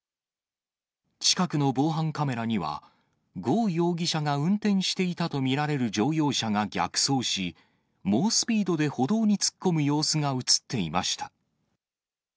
近くの防犯カメラには、呉容疑者が運転していたと見られる乗用車が逆走し、猛スピードで歩道に突っ込む様子が写っていました。